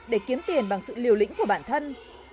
để kiếm tiền bằng sự liều lĩnh của bản thân